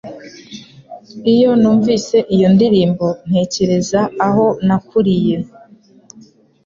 Iyo numvise iyo ndirimbo, ntekereza aho nakuriye